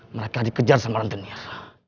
mereka dikejar sama rantenir